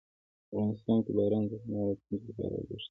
افغانستان کې باران د نن او راتلونکي لپاره ارزښت لري.